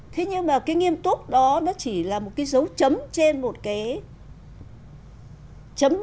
thế nhưng mà cái nghiêm túc đó nó chỉ là một cái dấu chấm trên một cái chấm